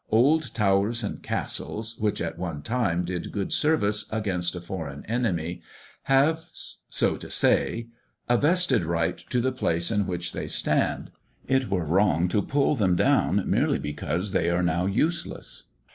Old towers and castles, which at one time did good service against a foreign enemy, have, so to say, a vested right to the place in which they stand; it were wrong to pull them down merely because they are now useless.